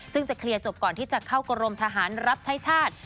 ซึ่งจะเคลียร์จบก่อนที่จะเข้ากรมทหารรับใช้ชาติ